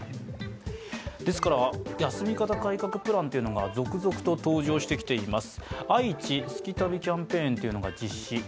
ですから、休み方改革プランというのが続々登場しています。